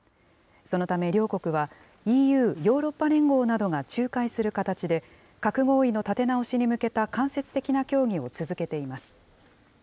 そのため両国は、ＥＵ・ヨーロッパ連合などが仲介する形で、核合意の立て直しに向けた間接的な協議を続けています。